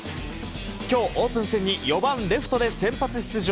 今日、オープン戦に４番レフトで先発出場。